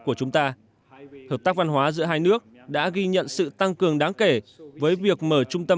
của chúng ta hợp tác văn hóa giữa hai nước đã ghi nhận sự tăng cường đáng kể với việc mở trung tâm